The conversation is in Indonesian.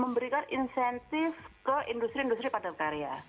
memberikan insentif ke industri industri padat karya